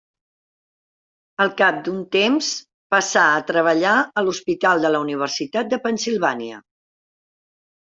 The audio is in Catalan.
Al cap d'un temps passà a treballar a l'Hospital de la Universitat de Pennsilvània.